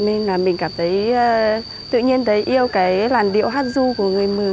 nên là mình cảm thấy tự nhiên thấy yêu cái làn điệu hát ru của người mường